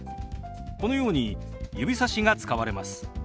このように指さしが使われます。